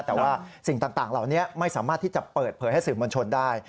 แต่ว่าสิ่งต่างเหล่านี้ไม่สามารถที่จะเปิดเผยให้สื่อมวลชนได้